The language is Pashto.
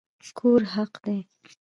کور حق دی